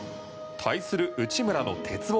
対する内村の鉄棒。